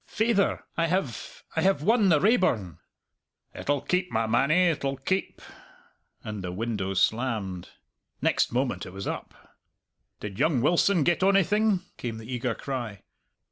"Faither, I have I have won the Raeburn!" "It'll keep, my mannie, it'll keep" and the window slammed. Next moment it was up. "Did young Wilson get onything?" came the eager cry.